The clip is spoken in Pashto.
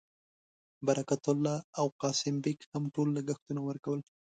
برکت الله او قاسم بېګ هم ټول لګښتونه ورکول.